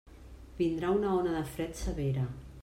Vindrà una ona de fred severa.